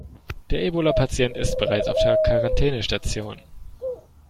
Der Ebola-Patient ist bereits auf der Quarantänestation.